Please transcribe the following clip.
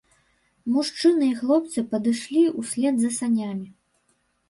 Мужчыны і хлопцы падышлі ўслед за санямі.